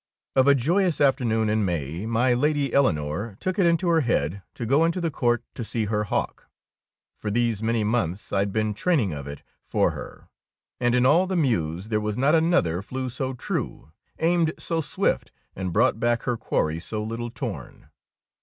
Of a joyous afternoon in May, my Lady Eleonore took it into her head to go into the court to see her hawk. For these many months I 'd been train ing of it for her, and in all the mews there was not another flew so true, aimed so swift, and brought back her quarry so little torn.